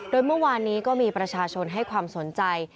โดยเมื่อวานนี้ก็มีประชาชนให้ความสนใจ